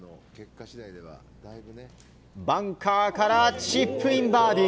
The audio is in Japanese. バンカーからチップインバーディー。